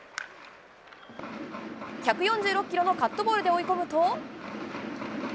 １４６キロのカットボールで追い込むと。